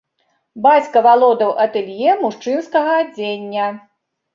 Бацька валодаў атэлье мужчынскага адзення.